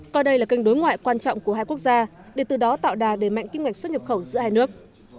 coi đây là kênh đối ngoại quan trọng của hai quốc gia để từ đó tạo đà đề mạnh kinh ngạch xuất nhập khẩu giữa hai nước